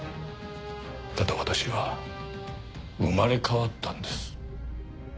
ただ私は生まれ変わったんです。